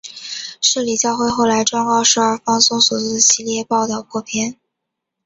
摄理教会后来状告首尔放送所做的系列报导偏颇。